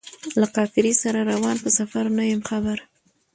له قافلې سره روان په سفر نه یم خبر